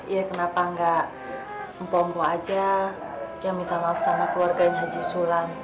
ya kenapa enggak mpompo aja yang minta maaf sama keluarganya haji sulam